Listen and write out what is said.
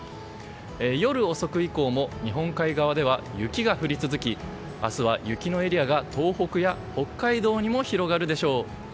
夜遅く以降も日本海側では雪が降り続き明日は雪のエリアが東北や北海道にも広がるでしょう。